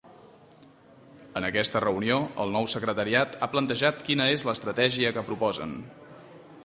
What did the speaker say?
En aquesta reunió el nou secretariat ha plantejat quina és l’estratègia que proposen.